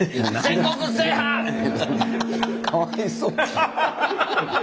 かわいそう。